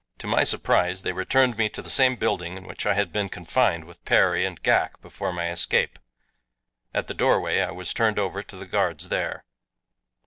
To my surprise they returned me to the same building in which I had been confined with Perry and Ghak before my escape. At the doorway I was turned over to the guards there.